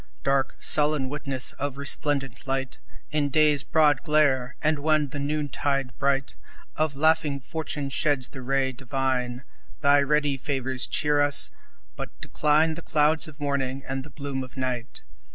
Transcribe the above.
Dark, sullen witness of resplendent light In day's broad glare, and when the noontide bright Of laughing fortune sheds the ray divine, Thy ready favors cheer us but decline The clouds of morning and the gloom of night.